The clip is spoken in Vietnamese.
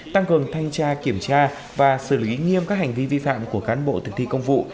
tăng cường thanh tra kiểm tra và xử lý nghiêm các hành vi vi phạm của cán bộ thực thi công vụ